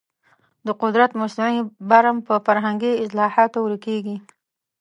د قدرت مصنوعي برم په فرهنګي اصلاحاتو ورکېږي.